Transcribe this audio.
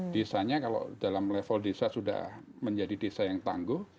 desanya kalau dalam level desa sudah menjadi desa yang tangguh